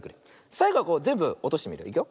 さいごはこうぜんぶおとしてみるよ。